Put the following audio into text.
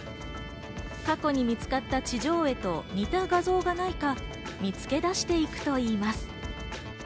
過去に見つかった地上絵と似た画像がないか見つけ出していくといいます。